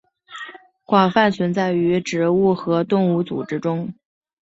广泛存在于植物和动物组织中。